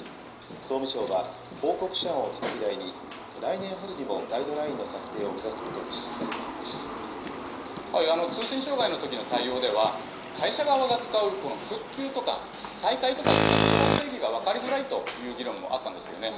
総務省は、報告書案をたたき台に、来年春にもガイドラインの策定を通信障害のときの対応では、会社側が使う、この復旧とか、再開とかいったことばの定義が分かりづらいという議論もあったんですけれどもね。